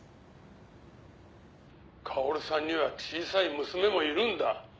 「薫さんには小さい娘もいるんだ」